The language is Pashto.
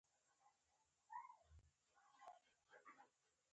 نایتروجن لرونکي سرې په غیر عضوي سرو کې شامل دي.